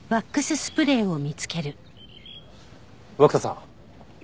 涌田さん。